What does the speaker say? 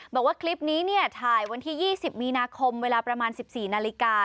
บอกว่าคลิปนี้เนี่ยถ่ายวันที่ยี่สิบมีนาคมเวลาประมาณสิบสี่นาฬิกา